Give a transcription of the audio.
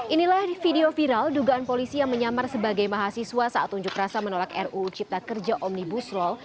inilah video viral dugaan polisi yang menyamar sebagai mahasiswa saat unjuk rasa menolak ruu cipta kerja omnibus law